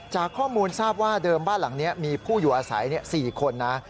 จากข้อมูลทราบว่าเดิมบ้านหลังนี้มีผู้อยู่อาศัย๔คนนะ